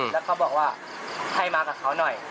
แล้วเขาบอกว่าให้มากับเขาหน่อย